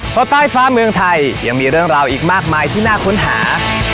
เพราะใต้ฟ้าเมืองไทยยังมีเรื่องราวอีกมากมายที่น่าค้นหา